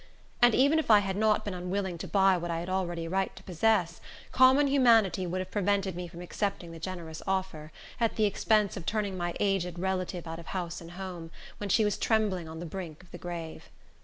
And even if I had not been unwilling to buy what I had already a right to possess, common humanity would have prevented me from accepting the generous offer, at the expense of turning my aged relative out of house and home, when she was trembling on the brink of the grave.